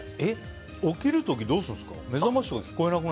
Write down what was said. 起きる時はどうするんですか。